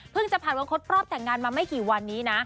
เพิ่งจะผ่านวงคตปลอบแต่งงานมาไม่กี่วันนี้นะ